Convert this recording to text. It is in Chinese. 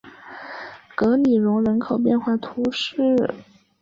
格里隆人口变化图示